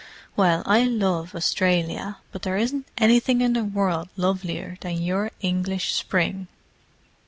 "Well, I love Australia, but there isn't anything in the world lovelier than your English spring!"